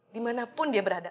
dimanapun dia berada